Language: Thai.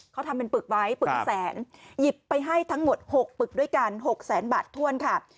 เขาทำเป็นปึกไว้ปึกเป็นแสนหยิบไปให้ทั้งหมด๖ปึกด้วยกัน๖แสนบาทถ้วนค่ะ